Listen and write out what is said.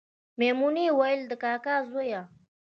میمونې ویل د کاکا زویه